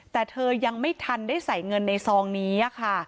แต่เธอยังไม่ทันได้ใส่เงินในซองนี้ค่ะ